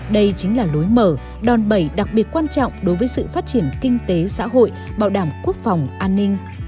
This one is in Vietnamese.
đây chính là lối mở đòn bẩy đặc biệt quan trọng đối với sự phát triển kinh tế xã hội bảo đảm quốc phòng an ninh